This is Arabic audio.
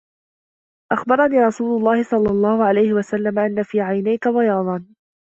أَخْبَرَنِي رَسُولُ اللَّهِ صَلَّى اللَّهُ عَلَيْهِ وَسَلَّمَ أَنَّ فِي عَيْنَيْك بَيَاضًا